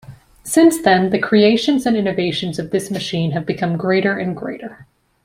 Since then the creations and innovations of this machine have become greater and greater.